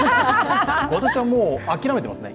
私はもう、諦めてますね。